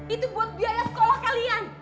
itu buat biaya sekolah kalian